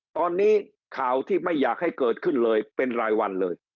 ตอนนี้ข่าวที่ไม่อยากให้เกิดขึ้นเลยเป็นรายวันเลย